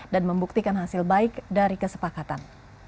dan membuktikan hasil baik dari kesepakatan